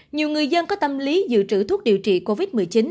nhiều người dân có tâm lý dự trữ thuốc điều trị covid một mươi chín